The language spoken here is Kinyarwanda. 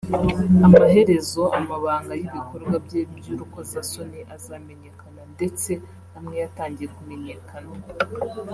amaherezo amabanga y’ibikorwa bye by’urukozasoni azamenyekana ndetse amwe yatangiye kumenyekana